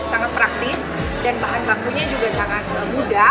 sangat praktis dan bahan bakunya juga sangat mudah